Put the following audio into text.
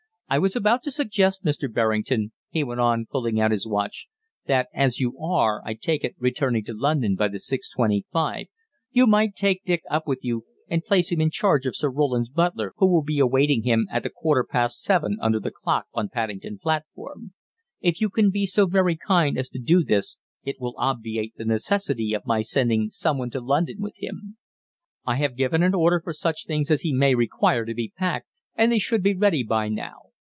I was about to suggest, Mr. Berrington," he went on, pulling out his watch, "that as you are, I take it, returning to London by the 6:25, you might take Dick up with you and place him in charge of Sir Roland's butler who will be awaiting him at a quarter past seven under the clock on Paddington platform. If you can be so very kind as to do this it will obviate the necessity of my sending someone to London with him. I have given an order for such things as he way require to be packed, and they should be ready by now.